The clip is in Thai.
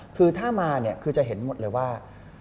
คือถ้ามาเนี่ยคือจะเห็นหมดเลยว่า